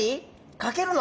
かけるの？